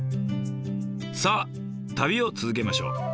さあ旅を続けましょう。